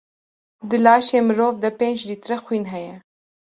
Di laşê mirov de pênc lître xwîn heye.